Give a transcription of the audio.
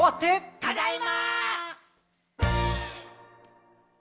ただいま！